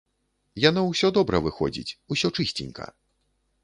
Яно ўсё добра выходзіць, усё чысценька.